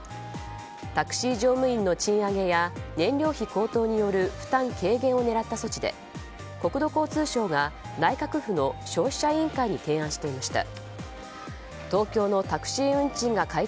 タクシー乗務員の賃上げや燃料費高騰による負担軽減を狙った措置で国土交通省が内閣府の消費者委員会に提案していました。